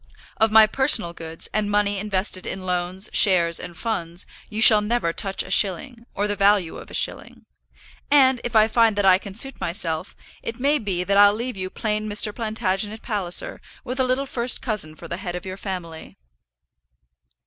Of my personal goods, and money invested in loans, shares, and funds, you shall never touch a shilling, or the value of a shilling. And, if I find that I can suit myself, it may be that I'll leave you plain Mr. Plantagenet Palliser, with a little first cousin for the head of your family.